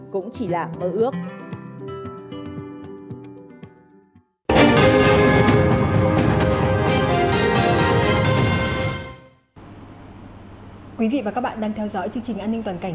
cũng chỉ là mơ ước quý vị và các bạn đang theo dõi chương trình an ninh toàn cảnh